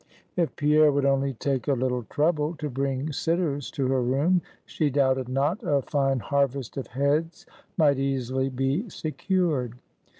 If Pierre would only take a little trouble to bring sitters to her room, she doubted not a fine harvest of heads might easily be secured.